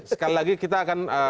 sekali lagi kita akan